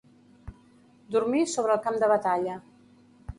Dormir sobre el camp de batalla.